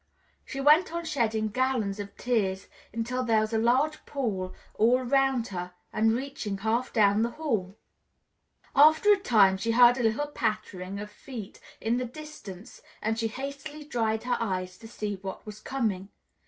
She went on shedding gallons of tears, until there was a large pool all 'round her and reaching half down the hall. After a time, she heard a little pattering of feet in the distance and she hastily dried her eyes to see what was coming.